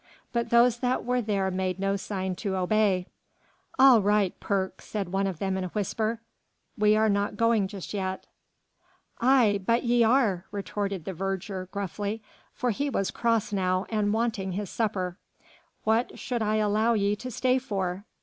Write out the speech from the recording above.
But those that were there made no sign to obey. "All right, Perk," said one of them in a whisper, "we are not going just yet." "Aye, but ye are," retorted the verger gruffly, for he was cross now and wanting his supper, "what should I allow ye to stay for?"